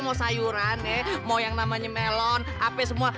mau sayuran mau yang namanya melon apa semua